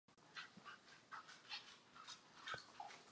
Posílám rekonstrukci i s pozicema.